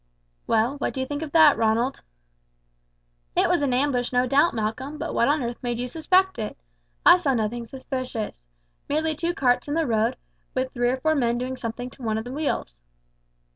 "Well, what do you think of that, Ronald?" "It was an ambush, no doubt, Malcolm; but what on earth made you suspect it? I saw nothing suspicious. Merely two carts in the road, with three or four men doing something to one of the wheels."